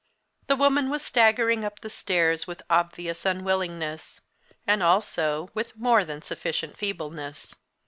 The woman was staggering up the stairs, with obvious unwillingness and, also, with more than sufficient feebleness.